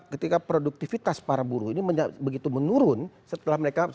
ketika produktivitas para buruh ini begitu menurun setelah mereka